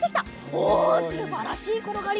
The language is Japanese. おすばらしいころがり！